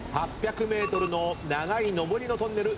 ８００ｍの長い上りのトンネル